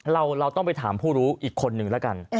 เราต้องไปถามผู้รู้อีกคนนึงแล้วกัน